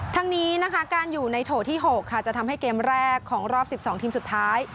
ทั้งนี้นะคะการอยู่ในโถที่๖ค่ะจะทำให้เกมแรกของรอบ๑๒ทีมสุดท้าย